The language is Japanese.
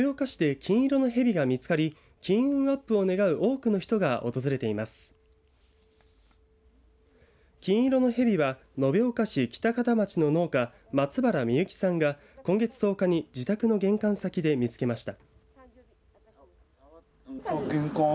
金色のヘビは延岡市北方町の農家松原美幸さんが今月１０日に自宅の玄関先で見つけました。